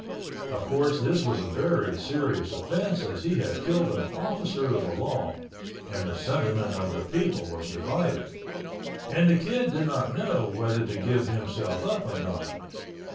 Of course this was a very serious offense as he had killed an officer of the law, and the sentiment of the people was divided—and the Kid did not know whether to give himself up or not.